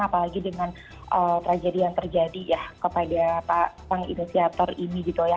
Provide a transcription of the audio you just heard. apalagi dengan tragedi yang terjadi kepada pak inisiator ini